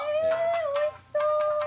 おいしそう。